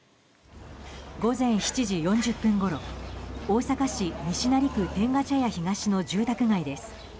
午前７時４０分ごろ大阪市西成区天下茶屋東の住宅街です。